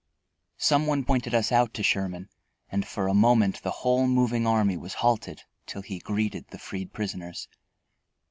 Someone pointed us out to Sherman, and for a moment the whole moving army was halted till he greeted the freed prisoners.